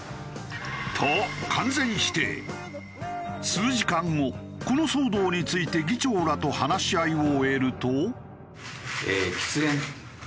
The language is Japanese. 数時間後この騒動について議長らと話し合いを終えると。